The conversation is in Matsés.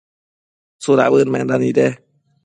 ¿tsudabëd menda nide ?